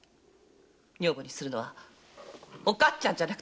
女房にするのはおかつちゃんじゃなくて私だって。